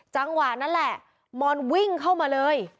จังหวะนั้นแหละมอนวิ่งเข้ามาเลย